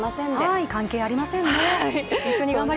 はい、関係ありませんね。